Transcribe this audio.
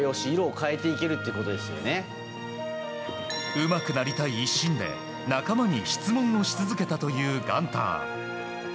うまくなりたい一心で、仲間に質問をし続けたというガンター。